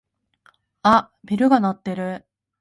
あっベルが鳴ってる。